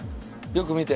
よく見て！